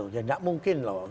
ya tidak mungkin loh